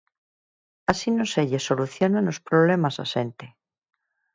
Así non se lle solucionan os problemas á xente.